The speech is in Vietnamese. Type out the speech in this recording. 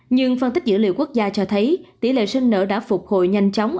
nhưng phân tích dữ liệu quốc gia cho thấy tỷ lệ sinh nở đã phục hồi nhanh chóng